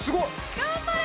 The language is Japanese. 頑張れ！